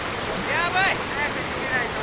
やばい！